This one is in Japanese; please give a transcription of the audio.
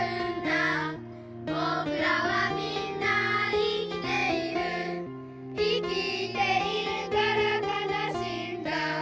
「ぼくらはみんな生きている」「生きているからかなしいんだ」